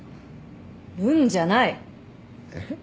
「うん」じゃない！えっ？